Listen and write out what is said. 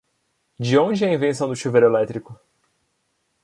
De onde é a invenção do chuveiro elétrico?